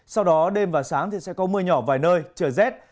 sau đó đêm và sáng sẽ có mưa nhỏ vài nơi trở rét